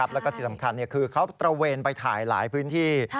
แล้วก็ที่สำคัญคือเขาตระเวนไปถ่ายหลายพื้นที่